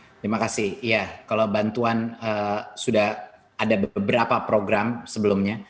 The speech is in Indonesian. terima kasih ya kalau bantuan sudah ada beberapa program sebelumnya